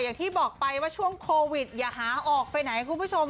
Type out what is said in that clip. อย่างที่บอกไปว่าช่วงโควิดอย่าหาออกไปไหนคุณผู้ชม